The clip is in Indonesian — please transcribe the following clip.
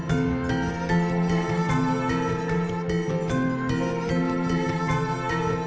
dan tetap rumit dengan keputusan datang dan menempel di availability